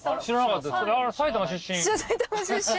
埼玉出身。